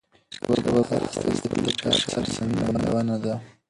ژبه بهر ایستل د فشار څرګندونه ده.